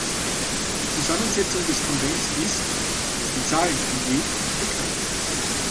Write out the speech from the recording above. Die Zusammensetzung des Konvents ist, was die Zahlen angeht, bekannt.